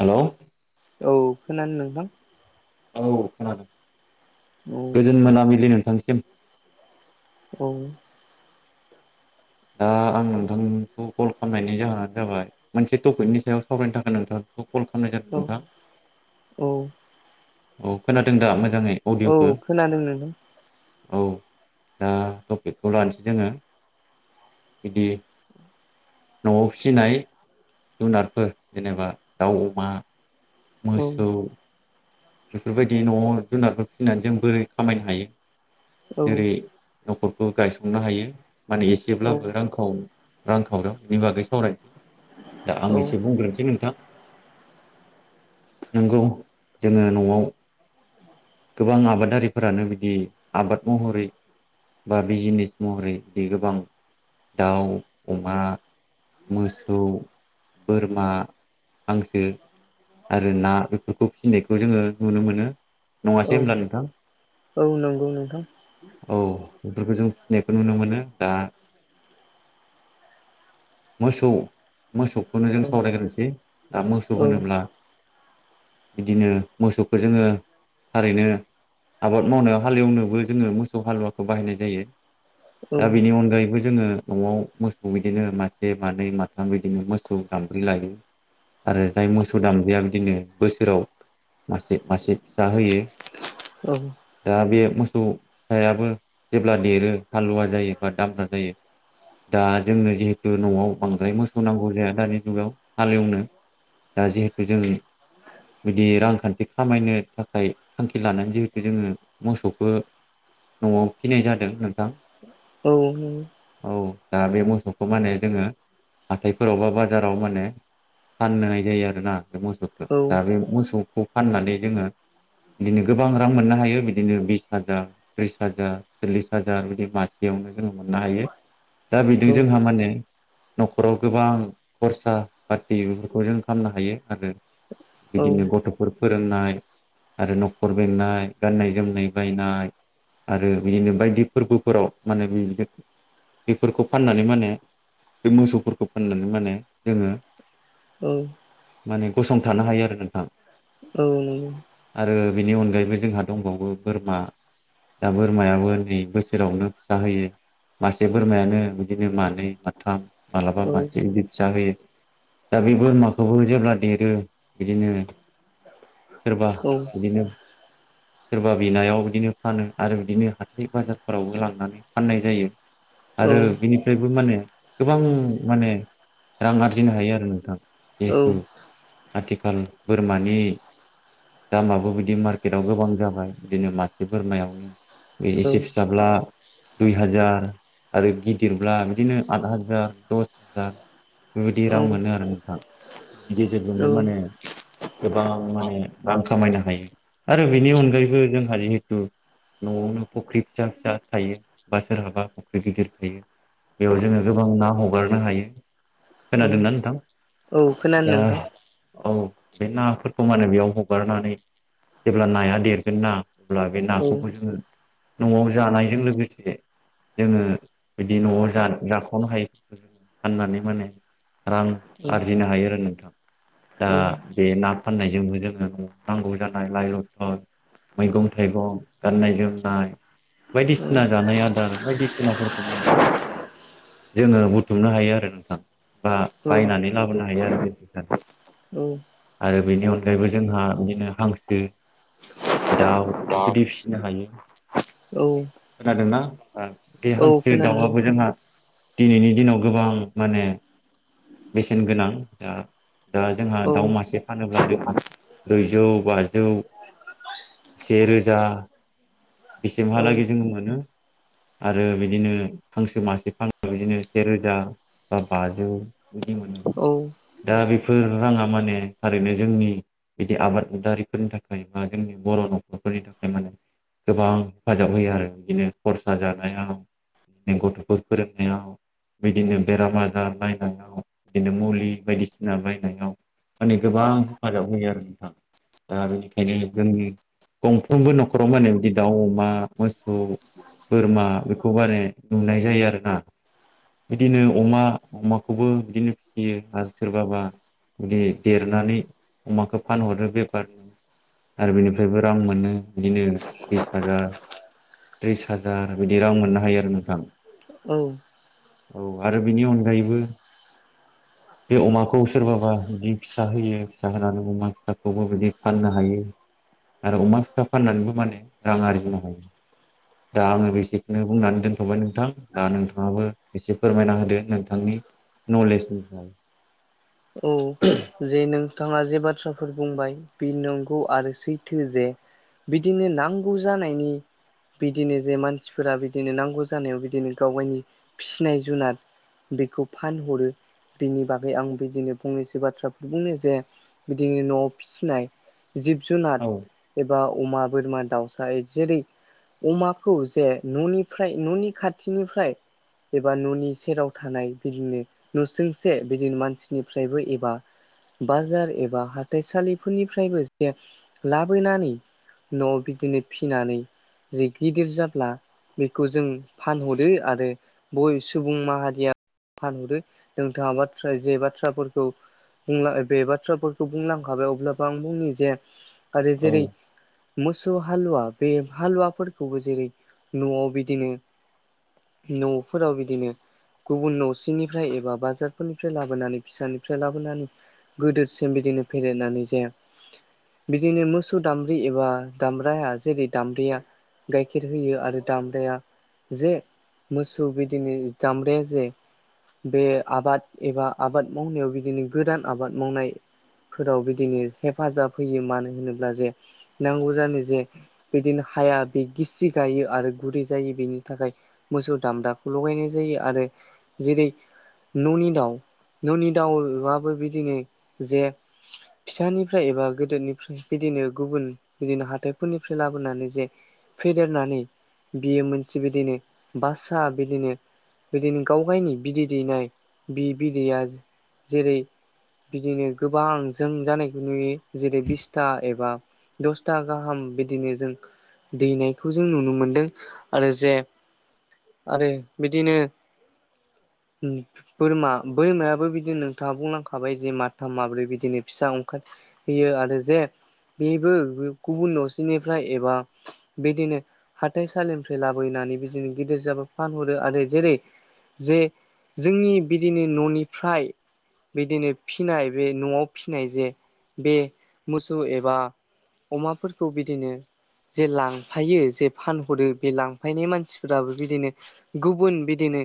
Hello औ खोनादों नोंथां औ खोनादों औ गोजोन मोनामिलि नोंथांनिसिम औ दा आं नोंथांखौ कल खालामनायनि जाहोनानो जाबाय मोनसे टपिकनि सायाव सावरायनो थाखाय नोंथां बे कल खालामनाय जादों औ नोंथां औ औ खोनादों दा मोजाङै औ अडिअखौ खोनादों नोंथां औ दा टपिकखौ लानोसै जोङो बिदि न'आव फिसिनाय जुनारफोर जेनेबा दाउ अमा औ मोसौ बेफोरबायदि न'आव जुनारफोर फिसिनानै जों बोरै खामायनो हायो औ जेरै न'खरखौ गायसंनो हायो माने औ एसेब्लाबो रांखौव रां खावराव बेनि बागै सावरायसै दा औ आं एसे बुंग्रोनोसै नोंथां नोंगौ जोङो न'आव गोबां आबादारिफोरानो बिदि आबाद महरै बा बिजिनेस महरै बिदि गोबां दाउ अमा मोसौ बोरमा हांसो आरो ना बेफोरखौ फिसिनायखौ जोङो नुनो मोनो, औ नङासै होनोमब्ला नोंथां? औ नंगौ नोंथां औ बेफोरखौ जों फिसिनायखौ नुनो मोनो दा मोसौ मोसौखौनो औ जों सावरायग्रोसै दा औ मोसौ होनोब्ला बिदिनो मोसौखौ जोङो थारैनो आबाद मावनायाव हालेवनोबो जोङो मोसौ हालुवाखौ बाहायनाय जायो। औ दा बिनि अनगायैबो जोङो न'आव मोसौ बिदिनो मासे मानैै माथाम बिदिनो मोसौ दामब्रि लायो। आरो जाय मोसौ दामब्रिया बिदिनो बोसोराव मासे मासे फिसा होयो औ दा बे मोसौ फिसायाबो जेब्ला देरो हालुवा जायो बा दाम्रा जायो दा जोंनो जिहे थु न'आव बांद्राय मोसौ नांगौ जाया दानि जुगाव हालेवनो दा जिहेथु जोंनि बिदि रांखान्थि खामायनो थाखाय थांखि लानानै जिहेथु जोङो मोसौखौ न'आव फिनाय जादों नोंथां। औ नंगौ औ औ [unintelligible] औ दा बे मोसौ खौ माने जोङो हाथायफोराव बा बाजाराव माने फाननाय जायो आरोना बे मोसौखौ दा बे मोसौखौ फाननानै जोङो बिदिनो गोबां रां मोननो हायो बिदिनो बिस हाजार त्रिस हाजार सल्लिस हाजार बिदि मासेयावनो जोङो मोननो हायो। दा औ बिदि जोंहा माने न'खराव गोबां खरसा फाथि बेफोरखौ जों खालामनो हायो आरो। बिदिनो गथ'फोर फोरोंनाय आरो न'खर बेंनाय गाननाय जोमनाय बायनाय आरो बिदिनो बायदि फोरबोफोराव माने बिनो बेफोरखौ फाननानै माने बे मोसौफोरखौ फाननानै माने जोङो औ। माने गसंथानो हायो आरो नोंथां। औ नंगौ। आरो बेनि अनगायैबो जोंहा दंबावो बोरमा। दा बोरमायाबो नै बोसोरावनो फिसा होयो मासे बोरमायानो बिदिनो मानै माथाम माब्लाबा मासे बिदि फिसा होयो। दा बे बोरमाखौबो जेब्ला देरो बिदिनो सोरबा बिदिनो सोरबा बिनायाव बिदिनो फानो आरो बिदिनो हाथाइ बाजाराव बो लांनानै फाननाय जायो। आरो बिनिफ्रायबो माने गोबां माने रां आरजिनो हायो आरो नोंथां। जिहेथु आथिखाल बोरमानि दामाबो बिदि मार्केटआव गोबां जाबाय बिदिनो मासे बोरमायावनो बे एसे फिसाब्ला दुइ हाजार आरो गि दिरब्ला बिदिनो आद हाजार दस हाजार बेबायदि रां मोनो आरो नोंथां। [unintelligible] औ गेजेरजोंनो माने गोबां माने रां खामायनो हायो आरो बेनि अनगायैबो जोंहा जिहेथु न'आवनो फुख्रि फिसा फिसा थायो बा सोरहाबा फुख्रि गिदिर थायो। बेयाव जोङो गोबां ना हगारनो हायो औ खोनादोंना नोंथां? औ खोनादों दा नोंथां औ बे नाफोरखौ माने बेयाव हगारनानै जेब्ला नाया देरगोन ना अब्ला बे औ नाखौबो औ जोङो न'आव जानायजों लोगोसे जोङो बिदि न'आव जान जाख'नो हायि फाननानै माने रां औ आरजिनो हायो आरो नोंथां। दा बे ना फाननायजोंबो जोङो नांगौ जानाय लाइ लथ'र मैगं थाइगं गाननाय जोमनाय बायदिसिना औ जानाय आदार बायदिसिनाफोर [unintelligible] जोङो बुथुमनो हायो आरो नोंथां बा बायनानै औ लाबोनो हायो आरो [unintelligible] औ आरो बेनि अनगायैबो जोंहा बिदिनो हांसो दाउ बेबायदि फिसिनो हायो औ खोनादोंना ओ बे हांसो खोनादों दाउहाबो जोंहा दिनैनि दिनाव गोबां माने बेसेन गोनां ओ दा जोंहा औ दाउ मासे फानोब्ला जों ब्रैजौ बाजौ से रोजा औ बेसिमहालागै जोङो मोनो आरो बिदिनो हांसो मासे [unintelligible] बिदिनो सेे रोजा बा बाजौ बिदि मोनो औ दा बेफोर राङा माने थारैनो जोंनि बिदि आबादारिफोरनि थाखाय बा जोंनि बर' न'खरफोरनि थाखाय माने गोबां हेफाजाब होयो आरो बिदिनो खरसा जानायाव गथ'फोर फोरोंनायाव बिदिनो बेराम आजार नायनायाव बिदिनो मुलि बायदिसिना बायनायाव माने गोबां हेफाजाब होयो आरो नोंथां दा बेनिखायनो जोंनि गंफ्रोमबो न'खराव माने बि दाउ अमा मोसौ बोरमा बेखौ बारे नुनाय जायो आरोना बिदिनो अमा अमाखौबो बिदिनो फियो आरो सोरबाबा बिदि देरनानै अमाखो फानहरो बेफारनो आरो बिनिफ्रायबो रां मोनो बिदिनो बिस हाजार त्रिस हाजार बिदि रां मोननो हायो आरो नोंथां। औ औ आरो बेनि अनगायैबो बे अमाखौ सोरबाबा इदि फिसा होयो फिसा होनानै अमा फिसाखौबो बिदि फाननो हायो आरो अमा फिसा फाननानैबो माने रां आरजिनो हायो दा आङो बेसेखोनो बुंनानै दोनथ'बाय नोंथां दा नोंथाङाबो एसे फोरमायना होदो नोंथांनि न'लेजनि फाय औ जे नोंथाङा जे बाथ्राफोर बुंबाय बे नंगौ आरो सैथो जे बिदिनो नांगौ जानायनि बिदिनो जे मानसिफोरा बिदिनो नांगौ जानायाव बिदिनो गावगायनि फिसिनाय जुनाद बिखौ फानहरो बिनि बागै आं बिदिनो फंनैसो बाथ्रा बुंनो जे बिदि न'आव फिसिनाय जिब जुनाद औ एबा अमा बोरमा दाउसाय जेरै अमाखौ जे न'निफ्राय न'नि खाथिनिफ्राय एबा न'नि सेराव थानाय बिदिनो न'सुंसे बिदिनो मानसिनिफ्रायबो एबा बाजार एबा हाथाइसालिफोरनिफ्रायबो [unintelligible] लाबोनानै न'आव बिदिनो फिनानै जि गिदिर जाब्ला बेखौ जों फानहरो आरो बय सुबुं माहारिया फानहरो नोंथाङा बाथ्रा जे बाथ्राफोरखौ बुंला बे बाथ्राफोरखौ बुंलांखाबाय अब्लाबो आं बुंनि जे आरो औ जेरै मोसौ हालुवा बे हालुवाफोरखौबो जेरै न'आव बिदिनो न'फोराव बिदिनो गुबुन न'सेनिफ्राय एबा बाजारफोरनिफ्राय लाबोनानै बिसानिफ्राय लाबोनानै गोदोरसिम बिदिनो फेदेरनानै जाया बिदिनो मोसौ दामब्रि एबा दामब्राया जेरै दामब्रिया गाइखेर होयो आरो दामब्राया जे मोसौ बिदिनो दामब्राया जे बे आबाद एबा आबाद मावनायाव बिदिनो गोदान आबाद मावनाय फोराव बिदिनो हेफाजाब होयो मानो होनोब्ला जे नांगौ जानो जे बिदिनो हाया बे गिसि गायो आरो गुरै जायो बेनि थाखाय मोसौ दामब्राखौ लगायनाय जायो आरो जेरै न'नि दाउ न'नि दाउवा बो बिदिनो जे फिसानिफ्राय एबा गोदोनि फ्राय बिदिनो गुबुन बिदिनो हाथाइफोरनिफ्राय लाबोनानै जे फेदेरनानै बियो मोनसे बिदिनो बासा बिदिनो बिदिनो गावगायनि बिदै दैनाय बि बिदैया जेरै बिदिनो गोबां जों जानायखौ नुयो जेरै बिस्था एबा दसथा गाहाम बिदिनो जों दैनायखौ जों नुनो मोनदों आरो जे आरो बिदिनो उम बोरमा बोरमायाबो बिदिनो नोंथांङा बुंलां खा खाबाय जे माथाम माब्रै बिदिनो फिसा ओंखार होयो आरो जे बेबो गुबुन न'सेनिफ्राय एबा बिदिनो हाथाइसालिनिफ्राय लाबोनानै बिदिनो गिदिर जाबो फानहरो आरो जेरै जे जोंनि बिदिनो न'निफ्राय बिदिनो फिनाय बे न'आव फिसिनाय जे बे मोसौ एबा अमाफोरखौ बिदिनो जे लांफायो जे फानहरो बे लांफायनाय मानसिफोराबो बिदिनो गुबुन बिदिनो